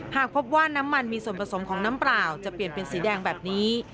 หากพบว่าน้ำมันมีส่วนผสมของน้ำเปล่าจะเปลี่ยนเป็นสีแดงแบบนี้